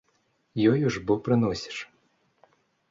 Ёю ж бо прыносіш.